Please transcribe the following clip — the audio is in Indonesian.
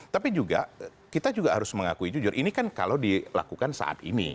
tapi juga kita juga harus mengakui jujur ini kan kalau dilakukan saat ini